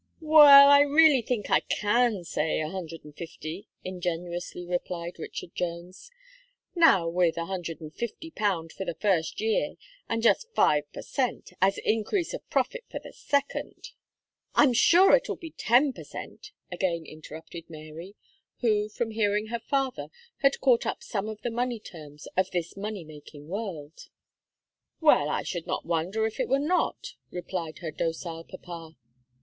"Well, I really think I can say a hundred and fifty," ingenuously replied Richard Jones, "now, with a hundred and fifty pound for the first year, and just five per cent, as increase of profit for the second." "I'm sure it'll be ten per cent," again interrupted Mary, who, from hearing her father, had caught up some of the money terms of this money making world. "Well, I should not wonder if it would not," replied her docile papa.